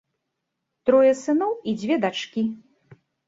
Трое сыноў і дзве дачкі.